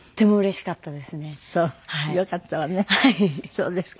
そうですか。